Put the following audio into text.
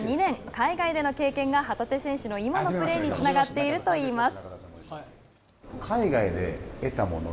海外での経験が旗手選手の今のプレーにつながっているといいます。